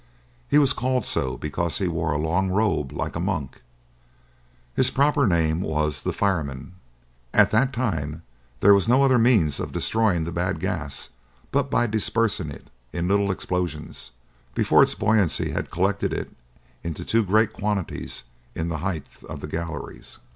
He was called so because he wore a long robe like a monk. His proper name was the 'fireman.' At that time there was no other means of destroying the bad gas but by dispersing it in little explosions, before its buoyancy had collected it in too great quantities in the heights of the galleries.